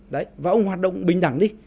đấy và ông hoạt động bình đẳng đi